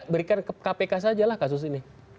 berikan kpk saja lah kasus ini